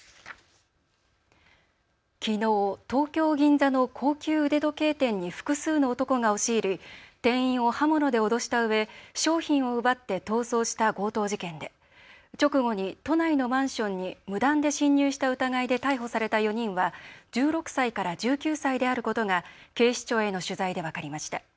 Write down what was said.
きのう、東京銀座の高級腕時計店に複数の男が押し入り店員を刃物で脅したうえ商品を奪って逃走した強盗事件で直後に都内のマンションに無断で侵入した疑いで逮捕された４人は１６歳から１９歳であることが警視庁への取材で分かりました。